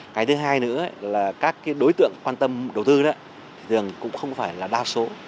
cái thứ hai nữa là các đối tượng quan tâm đầu tư đó thường cũng không phải là đa số